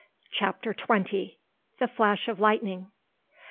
CHAPTER TWENTY. THE FLASH OF LIGHTNING.